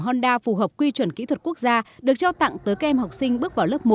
honda phù hợp quy chuẩn kỹ thuật quốc gia được trao tặng tới các em học sinh bước vào lớp một